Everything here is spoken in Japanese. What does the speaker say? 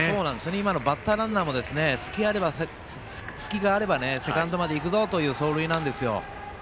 今のバッターランナーも隙があればセカンドまで行くぞという走塁なんですよ。